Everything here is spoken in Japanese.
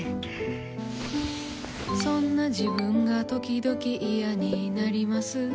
そんな自分がときどき嫌になります。